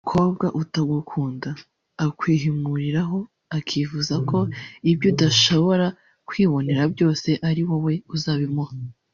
umukobwa utagukunda akwihimuriraho akifuza ko ibyo adashobora kwibonera byose ari wowe uzabimuha